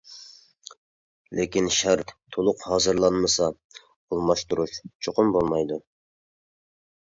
لېكىن شەرت تولۇق ھازىرلانمىسا، ئالماشتۇرۇش چوقۇم بولمايدۇ.